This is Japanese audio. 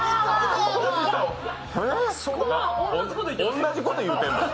同じこと言ってるのよ。